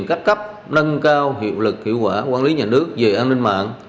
các cấp nâng cao hiệu lực hiệu quả quản lý nhà nước về an ninh mạng